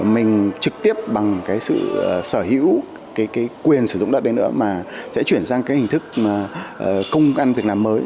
mình trực tiếp bằng sự sở hữu quyền sử dụng đất này nữa mà sẽ chuyển sang hình thức công an việc làm mới